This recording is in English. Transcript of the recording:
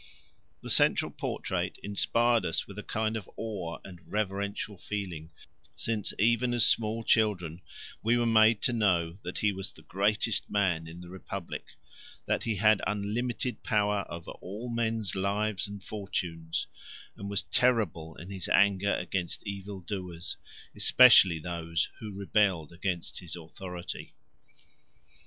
The central portrait inspired us with a kind of awe and reverential feeling, since even as small children we were made to know that he was the greatest man in the republic, that he had unlimited power over all men's lives and fortunes and was terrible in his anger against evil doers, especially those who rebelled against his authority.